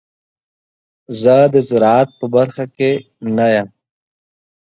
زه د زراعت په برخه کې نه یم.